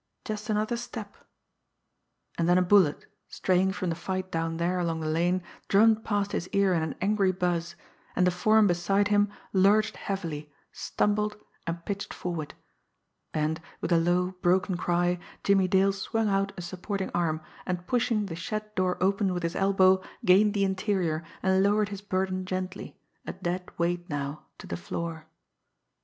Just another step and then a bullet, straying from the fight down there along the lane, drummed past his ear in an angry buzz and the form beside him lurched heavily, stumbled, and pitched forward. And, with a low, broken cry, Jimmie Dale swung out a supporting arm, and pushing the shed door open with his elbow, gained the interior, and lowered his burden gently, a dead weight now, to the floor.